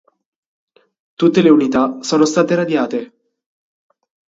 Tutte le unità sono state radiate.